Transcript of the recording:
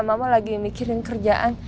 mama lagi mikirin kerjaan